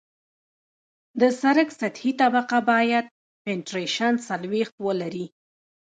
د سرک سطحي طبقه باید پینټریشن څلوېښت ولري